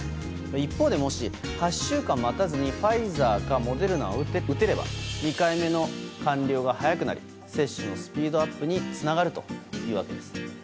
一方でもし８週間を待たずにファイザーかモデルナを打てれば２回目の完了が早くなり接種のスピードアップにつながるというわけです。